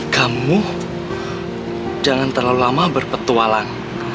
gamuh jangan terlalu lama berpetualang